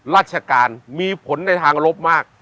ราชการมีผลในทางลบมาก